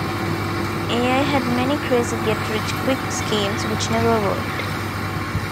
Al had many crazy get-rich-quick schemes, which never worked.